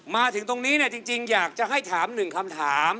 มาถึงตรงนี้เนี่ยจริงอยากจะให้ถามหนึ่งคำถาม